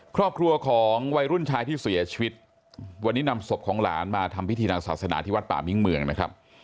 ครอบครัวของวัยรุ่นชายที่เสียชีวิตวันนี้นำศพของหลานมาทำพิธีทางศาสนาที่วัดป่ามิ้งเมืองนะครับ